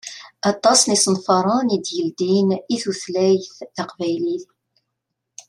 Aṭas n isenfaṛen i d-yeldin i tutlayt taqbaylit.